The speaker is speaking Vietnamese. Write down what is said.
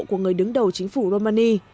của người đứng đầu chính phủ romani